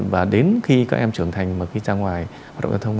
và đến khi các em trưởng thành mà khi ra ngoài hoạt động giao thông